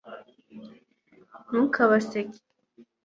Ntukabaseke